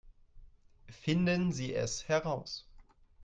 Finden Sie es heraus